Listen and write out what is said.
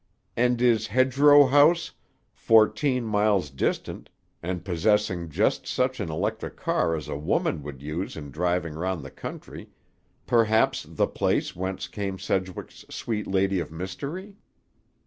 And is Hedgerow House, fourteen miles distant and possessing just such an electric car as a woman would use in driving round the country, perhaps the place whence came Sedgwick's sweet lady of mystery?